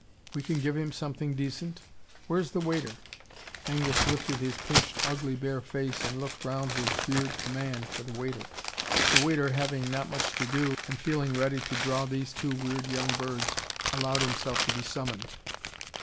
We can give him something decent Where's the waiter?" Angus lifted his pinched, ugly bare face and looked round with weird command for the waiter. The waiter, having not much to do, and feeling ready to draw these two weird young birds, allowed himself to be summoned.